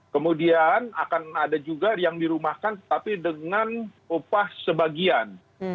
kemudian akan ada juga yang dirumahkan tapi dengan upah sebagian